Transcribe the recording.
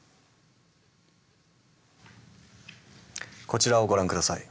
こちらをご覧下さい。